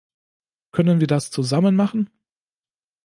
Können wir das zusammen machen?